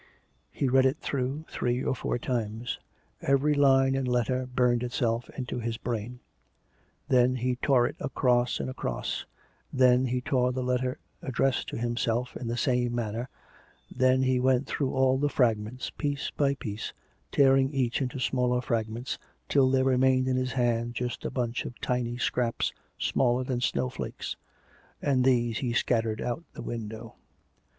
He read it through three or four times; every line and letter burned itself into his brain. Then he tore it COME RACK! COME ROPE! 283 across and across; then he tore the letter addressed to him self in the same manner; then he went through all the fragments, piece by piece, tearing each into smaller frag ments, till there remained in his hands just a bunch of tiny scraps, smaller than snowflakes, and these he scattered out of the window.